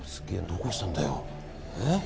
どこ押したんだよ？えっ？